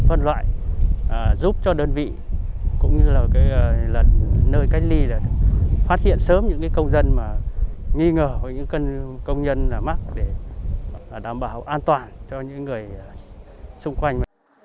phân loại giúp cho đơn vị cũng như là nơi cách ly là phát hiện sớm những công dân mà nghi ngờ hoặc những công nhân mắc để đảm bảo an toàn cho những người xung quanh